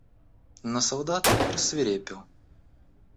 Но солдат рассвирепел.